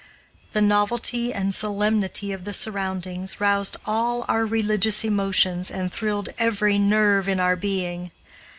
The novelty and solemnity of the surroundings roused all our religious emotions and thrilled every nerve in our being.